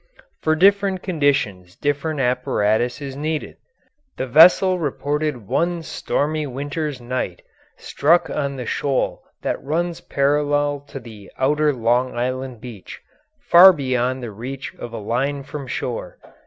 For different conditions different apparatus is needed. The vessel reported one stormy winter's night struck on the shoal that runs parallel to the outer Long Island beach, far beyond the reach of a line from shore.